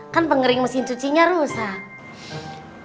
kan pengering mesin cucinya rusak